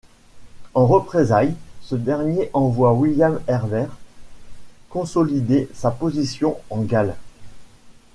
En représailles, ce dernier envoie William Herbert consolider sa position en Galles.